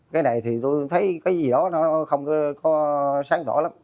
cái này thì tôi thấy cái gì đó nó không có sáng tỏa lắm